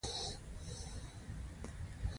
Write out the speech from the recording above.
د ارغستان انار ښه دي